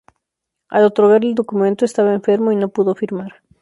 Al otorgar el documento, estaba enfermo y no pudo firmar.